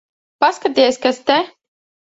Paskaties, kas te...